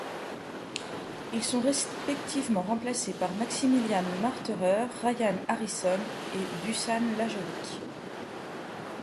Ils sont respectivement remplacés par Maximilian Marterer, Ryan Harrison et Dušan Lajović.